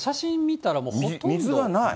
水がない。